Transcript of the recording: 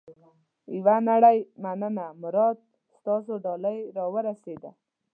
یوه نړۍ مننه مراد. ستاسو ډالۍ را ورسېده.